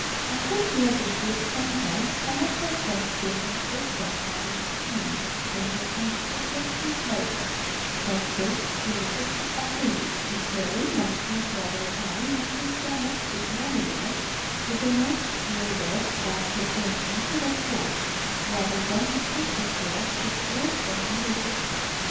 After she had received sentence, some of her friends gave her hopes of having it changed into a transportation pardon, but this she rejected utterly, declaring that she had rather die not only the most ignominious, but the most cruel death that could be invented at home, rather than be sent abroad to slave for her living.